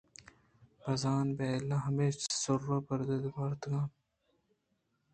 بہ زاں بہِیل ءِ ہمے سُر ءُ پُر دزّے ءَ مَرتنت